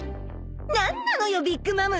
何なのよビッグ・マム！